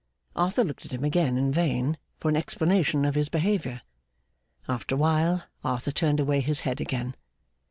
Arthur looked at him again, in vain, for an explanation of his behaviour. After a while, Arthur turned away his head again.